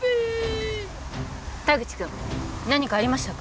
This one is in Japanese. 田口君何かありましたか？